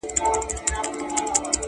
جهاني چي پکښي ستایي مرکې د شمله ورو٫